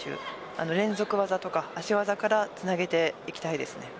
連続技や足技からつなげていきたいです。